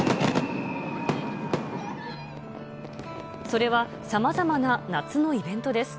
それは、さまざまな夏のイベントです。